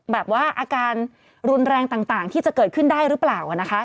แบบว่าอาการรุนแรงต่างที่จะเกิดขึ้นได้หรือเปล่านะคะ